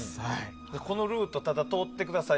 このルートを通ってください